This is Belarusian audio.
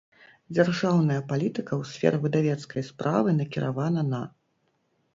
Дзяржаўная палiтыка ў сферы выдавецкай справы накiравана на.